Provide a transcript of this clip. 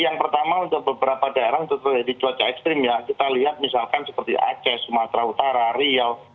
yang pertama untuk beberapa daerah untuk terjadi cuaca ekstrim ya kita lihat misalkan seperti aceh sumatera utara riau